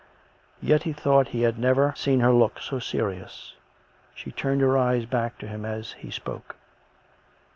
Yet he thought he had never seen her look so serious. She turned her eyes back to him as he spoke.